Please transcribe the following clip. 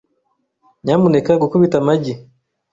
Nyamuneka gukubita amagi .